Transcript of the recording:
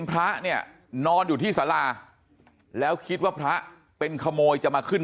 พระเนี่ยนอนอยู่ที่สาราแล้วคิดว่าพระเป็นขโมยจะมาขึ้น